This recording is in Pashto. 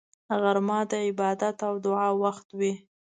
غرمه د عبادت او دعا وخت وي